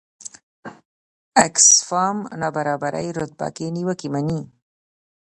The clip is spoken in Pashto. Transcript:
اکسفام نابرابرۍ رتبه کې نیوکې مني.